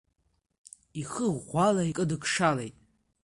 Ихы ӷәӷәала икыдықшылеит.